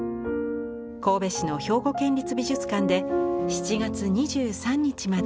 神戸市の兵庫県立美術館で７月２３日まで。